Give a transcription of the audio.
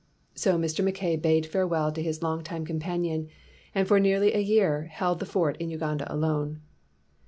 So Mr. Mackay bade farewell to his long time companion, and for nearly a year held the fort in Uganda alone.